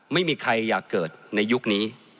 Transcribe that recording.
ไม่มีใครอยากเกิดในยุคนี้